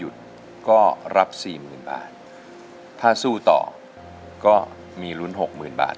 ทั้งในเรื่องของการทำงานเคยทำนานแล้วเกิดปัญหาน้อย